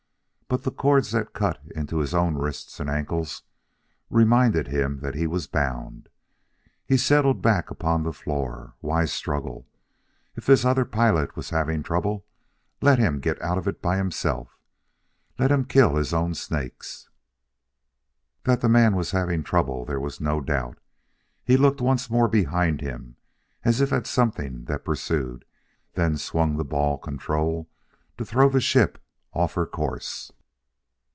But the cords that cut into his own wrists and ankles reminded him that he was bound; he settled back upon the floor. Why struggle? If this other pilot was having trouble let him get out of it by himself let him kill his own snakes! That the man was having trouble there was no doubt. He looked once more behind him as if at something that pursued; then swung the ball control to throw the ship off her course.